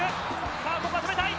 さあ、ここは止めたい。